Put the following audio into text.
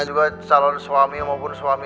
juga calon suami maupun suami